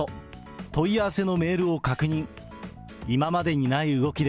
問い合わせのメールを確認。